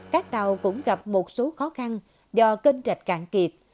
các tàu cũng gặp một số khó khăn do kênh rạch cạn kiệt